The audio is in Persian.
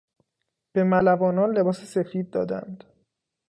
به ملوانان لباس سفید دادند.